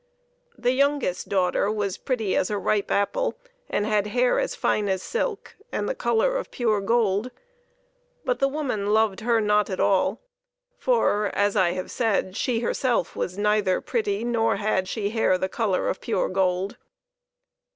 The youngest daughter was as pretty as a ripe apple, and had hair as fine as silk and the color of pure gold, but the woman loved her not at all, for, as I have said, she herself was neither pretty, nor had she hair of the color of pure gold.